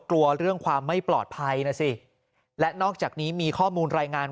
กลัวเรื่องความไม่ปลอดภัยนะสิและนอกจากนี้มีข้อมูลรายงาน